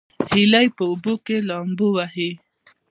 هیلۍ په اوبو کې لامبو وهي